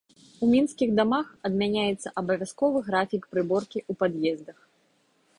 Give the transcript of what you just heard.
У мінскіх дамах адмяняецца абавязковы графік прыборкі ў пад'ездах.